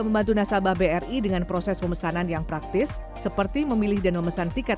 membantu nasabah bri dengan proses pemesanan yang praktis seperti memilih dan memesan tiket